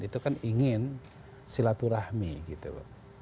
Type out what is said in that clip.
itu kan ingin silaturahmi gitu loh